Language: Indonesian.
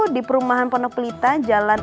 di perumahan ponegplita jalan